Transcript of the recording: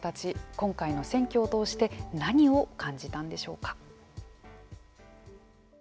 今回の選挙を通して何を感じたんでしょうか。